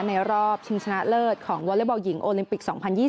รอบชิงชนะเลิศของวอเล็กบอลหญิงโอลิมปิก๒๐๒๐